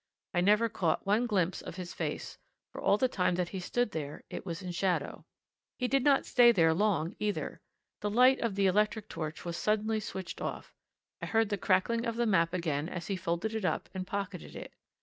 I never caught one glimpse of his face, for all the time that he stood there it was in shadow. He did not stay there long either. The light of the electric torch was suddenly switched off; I heard the crackling of the map again as he folded it up and pocketed it.